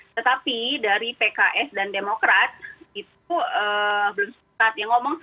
tetapi dari pks dan demokrat itu belum siap